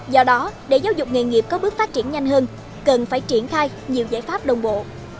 do đó để giáo dục nghề nghiệp có bước phát triển nhanh hơn cần phải triển khai nhiều giải pháp đồng bộ